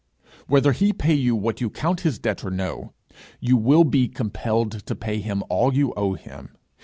Whether he pay you what you count his debt or no, you will be compelled to pay him all you owe him.